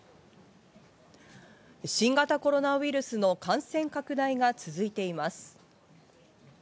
新型コロナウイルスの感染拡大が続いています。